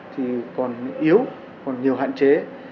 thì còn yếu còn nhiều hạn chế